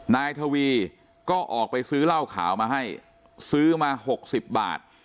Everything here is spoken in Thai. นายทวีก็ออกไปซื้อเหล้าขาวมาให้ซื้อมา๖๐บาท